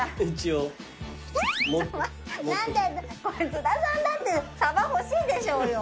津田さんだってサバ欲しいでしょうよ。